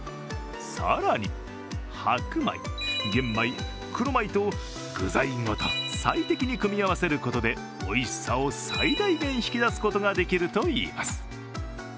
更に、白米、玄米、黒米と具材と最適に組み合わせることでおいしさを最大限引き出すことができるといいます。